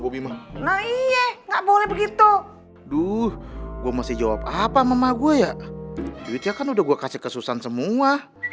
alih enggak boleh begitu duh gua masih jawab apa mama gua yah bisa kan udah gue kasih kesesan semua